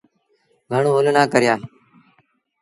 گھڻون هل نا ڪريآ۔